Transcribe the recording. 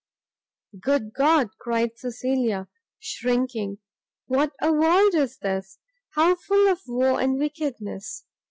"Good God!" cried Cecilia, shrinking, "what a world is this! how full of woe and wickedness!"